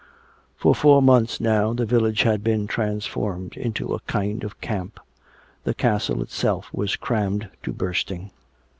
For four months now the village had been transformed into a kind of camp. The castle itself was crammed to bursting.